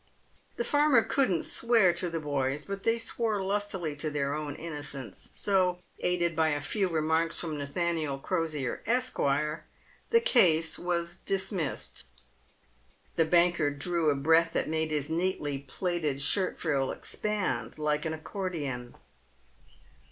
The farmer couldn't swear to the boys, but they swore lustily to their own innocence, so — aided by a few remarks from Nathaniel Crosier, Esq. — the case was dismissed. The banker drew a breath that made his neatly plaited shirt frill expand like an accordion.